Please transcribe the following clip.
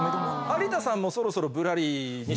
有田さんもそろそろ『ぶらり』に出演する。